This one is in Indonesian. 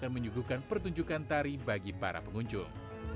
dan menyuguhkan pertunjukan tari bagi para pengunjung